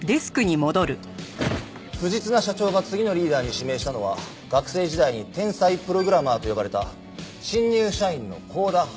藤綱社長が次のリーダーに指名したのは学生時代に天才プログラマーと呼ばれた新入社員の幸田早芽。